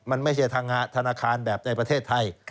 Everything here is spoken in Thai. มันไม่ใช่ทางธนาคารแบบในประเทศไทย